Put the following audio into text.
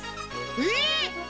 えっ？